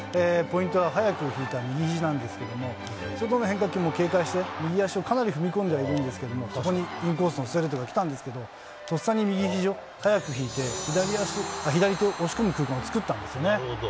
ポイントは早く引いた右ひじなんですけど、外の変化球も警戒して、右足をかなり踏み込んではいるんですけれども、そこにインコースのストレートが来たんですけど、とっさに右ひじを早く引いて、左足を押し込む空間を作ったんですね。